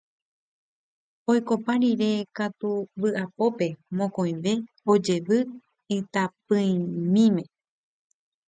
Oikopa rire katu vy'apópe mokõive ojevy itapỹimíme.